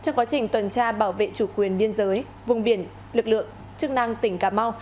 trong quá trình tuần tra bảo vệ chủ quyền biên giới vùng biển lực lượng chức năng tỉnh cà mau